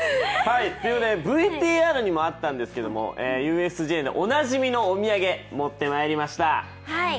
ＶＴＲにもあったんですけれども、ＵＳＪでおなじみのお土産、持ってまいりました。